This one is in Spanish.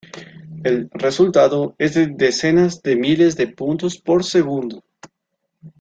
El resultado es de decenas de miles de puntos por segundo.